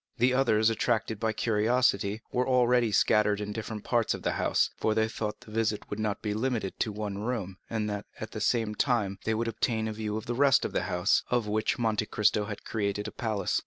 The others, attracted by curiosity, were already scattered in different parts of the house; for they thought the visit would not be limited to the one room, and that, at the same time, they would obtain a view of the rest of the building, of which Monte Cristo had created a palace.